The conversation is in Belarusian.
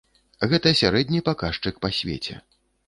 Гэта сярэдні паказчык па свеце.